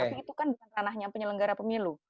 tapi itu kan bukan ranahnya penyelenggara pemilu